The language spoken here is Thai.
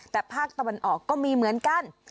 แต่ภาคตะวันออกก็มีเหมือนกัน